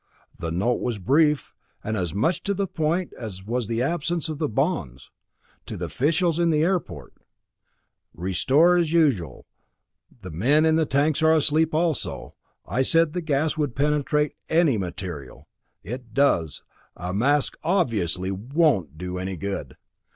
The note was brief, and as much to the point as was the absence of the bonds. To the Officials of the Airport: Restore as usual. The men in the tanks are asleep also I said the gas would penetrate any material. It does. A mask obviously won't do any good.